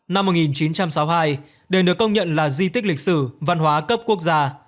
năm một nghìn chín trăm sáu mươi hai đền được công nhận là di tích lịch sử văn hóa cấp quốc gia